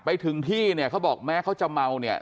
ไปถึงที่เนี่ยเขาบอกแม้เขาจะเมาเนี่ย